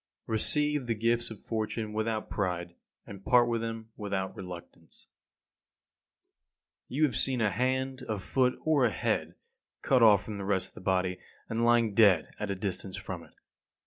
33. Receive the gifts of fortune without pride; and part with them without reluctance. 34. You have seen a hand, a foot, or a head, cut off from the rest of the body, and lying dead at a distance from it.